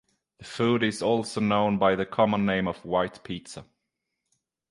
The food is also known by the common name of "white pizza".